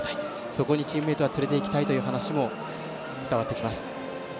そこにチームメートは連れて行きたいという話も伝わってきます。